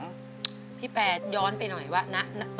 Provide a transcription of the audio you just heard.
สวัสดีครับ